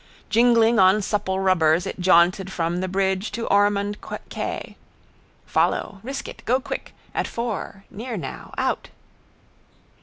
Jingling on supple rubbers it jaunted from the bridge to Ormond quay. Follow. Risk it. Go quick. At four. Near now. Out.